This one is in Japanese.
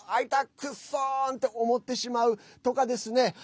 クッソんって思ってしまうとかですね。